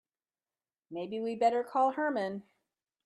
Maybe we'd better call Herman.